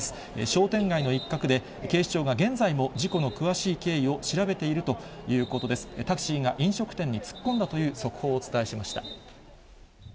商店街の一角で、警視庁が現在も事故の詳しい経緯を調べているとタクシーが飲食店に突っ込んだという速報をお伝えしました。